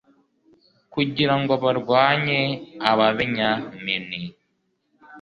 kugira ngo barwanye ababenyamini